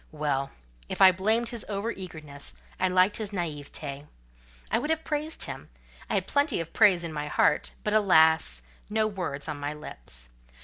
Well! if I blamed his over eagerness, I liked his naiveté. I would have praised him: I had plenty of praise in my heart; but, alas! no words on my lips.